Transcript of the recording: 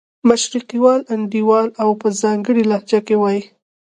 مشرقي وال انډیوال په ځانګړې لهجه کې وایي.